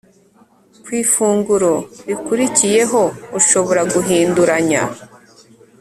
ku ifunguro rikurikiyeho, ushobora guhinduranya